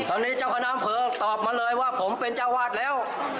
ตอนนี้เจ้าคณะอำเภอตอบมาเลยว่าผมเป็นเจ้าวาดแล้ว